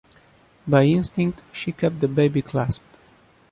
By instinct, she kept the baby clasped.